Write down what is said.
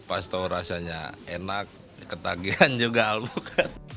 pas tahu rasanya enak ketagihan juga alpukat